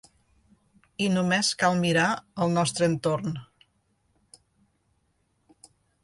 I només cal mirar el nostre entorn.